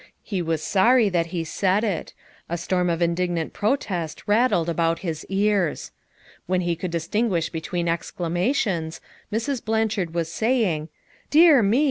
He was sorry that he said it; a storm of indig 196 FOUE MOTHERS AT CHAUTAUQUA nant protest rattled about his ears. When he could distinguish between exclamations, Mrs. Blanchard was saying: "Dear me!